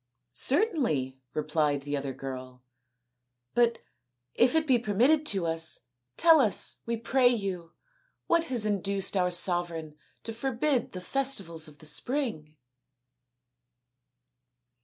" Certainly," replied the other girl, " but if it be permitted to us, tell us, we pray you, what has induced our sovereign to forbid the festivals of the spring